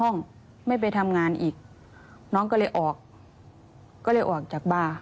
น้องก็เลยออกจากบาร์